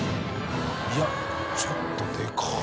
いやちょっとでかい。